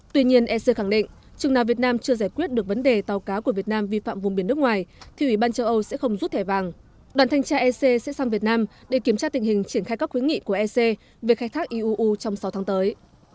tuy nhiên ec khẳng định chừng nào việt nam chưa giải quyết được vấn đề tàu cá của việt nam vi phạm vùng biển nước ngoài thì ủy ban châu âu sẽ không rút thẻ vàng đoàn thanh tra ec sẽ sang việt nam để kiểm tra tình hình triển khai các khuyến nghị của ec về khai thác iuu trong sáu tháng tới